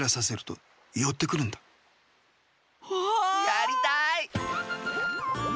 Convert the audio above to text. やりたい！